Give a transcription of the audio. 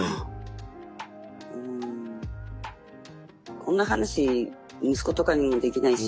こんな話息子とかにもできないし。